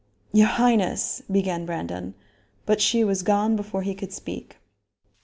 "Your highness " began Brandon; but she was gone before he could speak.